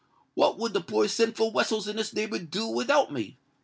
What would the poor sinful wessels in this neighbourhood do without me?